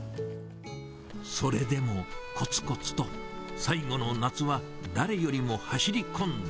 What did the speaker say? それでもこつこつと最後の夏は誰よりも走り込んだ。